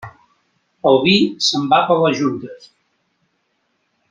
El vi se'n va per les juntes.